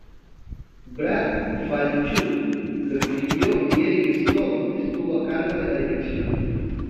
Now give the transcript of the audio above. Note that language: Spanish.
Brad Falchuk lo escribió y Eric Stoltz estuvo a cargo de la dirección.